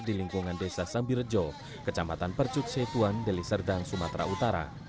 di lingkungan desa sambirejo kecamatan percuk setuan deli serdang sumatera utara